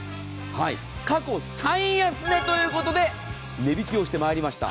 過去最安値ということで値引きをしてまいりました。